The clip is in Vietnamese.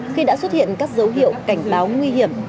khi đã xuất hiện các dấu hiệu cảnh báo nguy hiểm